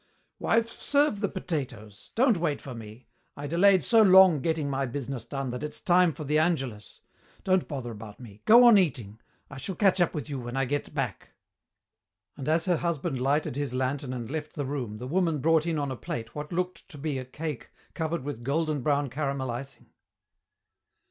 "Wife, serve the potatoes. Don't wait for me. I delayed so long getting my business done that it's time for the angelus. Don't bother about me. Go on eating. I shall catch up with you when I get back." And as her husband lighted his lantern and left the room the woman brought in on a plate what looked to be a cake covered with golden brown caramel icing.